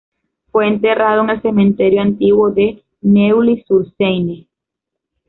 Fue enterrado en el Cementerio Antiguo de Neuilly-sur-Seine.